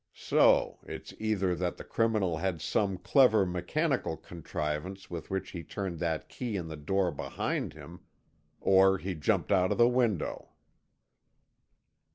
So it's either that the criminal had some clever mechanical contrivance with which he turned that key in the door behind him, or he jumped out of the window."